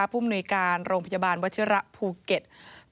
ผู้มนุยการโรงพยาบาลวัชิระภูเก็ต